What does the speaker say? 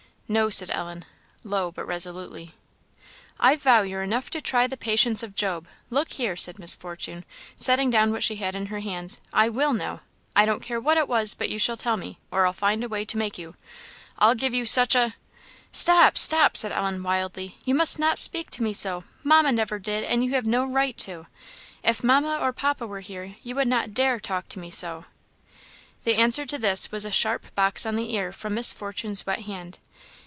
"No," said Ellen, low, but resolutely. "I vow you're enough to try the patience of Job! Look here," said Miss Fortune, setting down what she had in her hands "I will know! I don't care what it was, but you shall tell me, or I'll find a way to make you. I'll give you such a " "Stop! stop!" said Ellen wildly "you must not speak to me so! Mamma never did, and you have no right to! If Mamma or Papa were here, you would not dare talk to me so." The answer to this was a sharp box on the ear from Miss Fortune's wet hand.